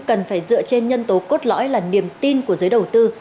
cần phải dựa trên nhân tố cốt lõi là niềm tin của giới đầu tư